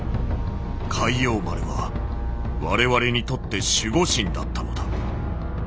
「『開陽丸』は我々にとって守護神だったのだ。